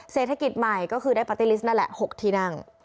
เศรษฐกิจใหม่ก็คือได้ปาร์ตี้ลิสต์นั่นแหละ๖ที่นั่ง